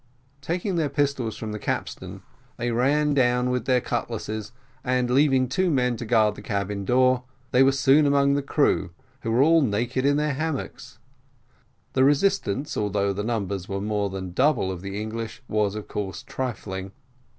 Taking their pistols from the capstern, they rushed down with their cutlasses, and leaving two men to guard the cabin door, they were soon among the crew, who were all naked in their hammocks: the resistance, although the numbers were more than double of the English, was of course trifling.